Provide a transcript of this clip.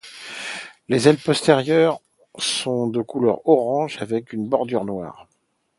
Les ailes postérieures sont de couleur orange avec une bordure noire.